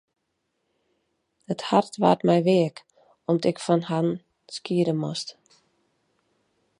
It hart waard my weak om't ik fan harren skiede moast.